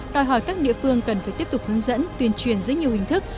đòi hỏi các địa phương cần phải tiếp tục hướng dẫn tuyên truyền dưới nhiều hình thức